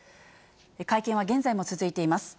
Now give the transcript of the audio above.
会見は現在も続いています。